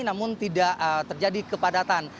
namun tidak terjadi kepadatan